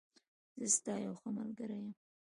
زه ستا یوښه ملګری یم.